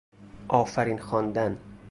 آفرین خواندن